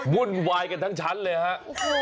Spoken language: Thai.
วุ่นวายกันทั้งชั้นเลยฮะ